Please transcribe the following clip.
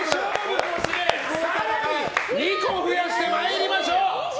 更に２個増やして参りましょう！